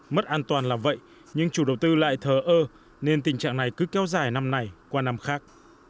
mất an toàn là vậy nhưng chủ đầu tư lại thờ ơ nên tình trạng này cứ kéo dài năm này qua năm khác